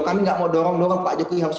kami nggak mau dorong dorong pak jokowi harus